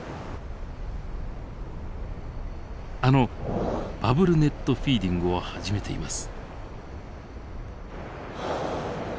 あのバブルネットフィーディングを始めています。